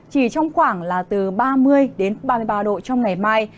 chỉ trong khoảng là từ ba mươi đến ba mươi ba độ trong ngày mai